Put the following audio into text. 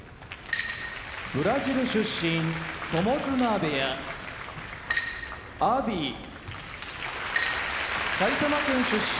ブラジル出身友綱部屋阿炎埼玉県出身